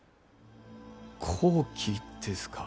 好機ですか？